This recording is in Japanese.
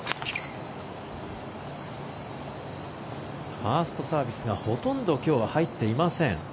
ファーストサービスがほとんどきょう、入っていません。